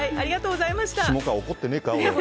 下川、怒ってねえか、おい。